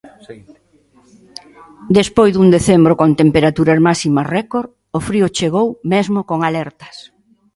Despois dun decembro con temperaturas máximas récord, o frío chegou mesmo con alertas.